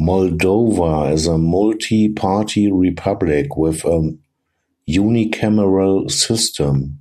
Moldova is a multi-party republic with a unicameral system.